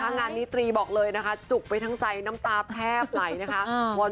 งานนี้ตรีบอกเลยนะคะจุกไปทั้งใจน้ำตาแทบไหลนะคะ